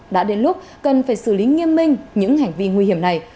đã đến lúc cần phải xử lý nghiêm minh những hành vi nguy hiểm này